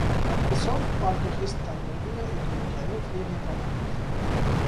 Այդպիսով՝ պարկը խիստ տարբերվում է էկոլոգիայով և եղանակով։